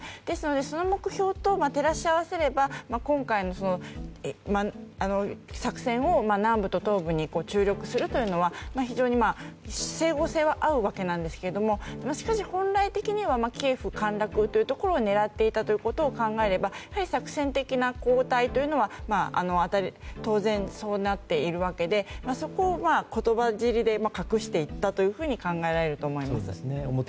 ですので、その目標と照らし合わせれば今回の作戦を南部と東部に注力するというのは非常に整合性は合うわけなんですけどもしかし本来的にはキエフ陥落というところを狙っていたことを考えれば作戦的な後退というのは当然、そうなっているわけでそこを言葉尻で隠していったと考えられると思います。